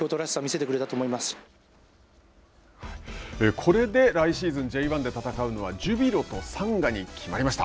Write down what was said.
これで来シーズンＪ１で戦うのはジュビロとサンガに決まりました。